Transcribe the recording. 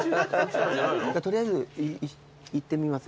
取りあえず行ってみます